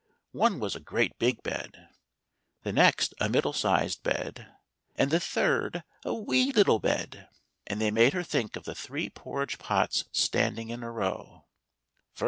One was a great big bed ; the next a middle sized bed ; and the third a wee little bed ; and they made her think of the three porridge pots standing in a row.